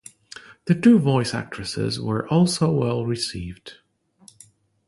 The two voice actress were also well received.